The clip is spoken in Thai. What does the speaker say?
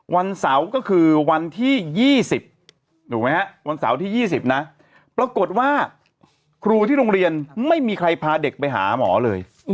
วันเสาร์ก็คือวันที่๒๐ถูกไหมฮะวันเสาร์ที่๒๐นะปรากฏว่าครูที่โรงเรียนไม่มีใครพาเด็กไปหาหมอเลย